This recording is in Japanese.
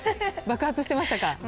爆発してましたか。